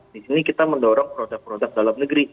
di sini kita mendorong produk produk dalam negeri